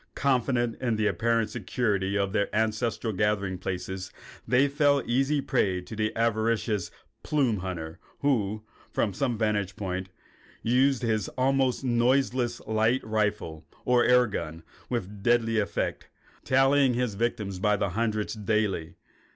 Confident in the apparent security of their ancestral gathering places, they fell an easy prey to the avaricious plume hunter who, from some vantage point, used his almost noiseless light rifle or air gun with deadly effect, tallying his victims by the hundred daily.